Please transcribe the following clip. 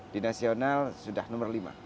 di nasional sudah nomor lima